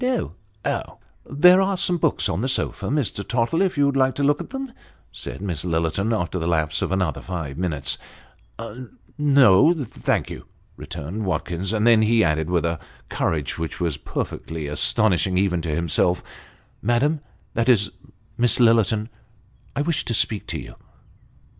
Oh !"' There are some books on the sofa, Mr. Tottle, if you would like to Sketches by Boz. look at them," said Miss Lillerton, after the lapse of another five minutes. " No, thank you," returned Watkins ; and then he added, with a courage which was perfectly astonishing, even to himself, "Madam, that is Miss Lillerton, I wish to speak to you."